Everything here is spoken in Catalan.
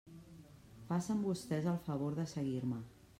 Facen vostès el favor de seguir-me.